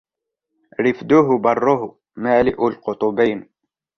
رِفدُهّ برّهُ مالئ القطبين